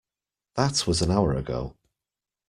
That was an hour ago!